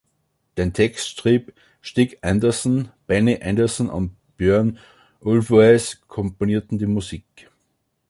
Den Text schrieb Stig Anderson; Benny Andersson und Björn Ulvaeus komponierten die Musik.